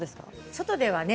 外ではね。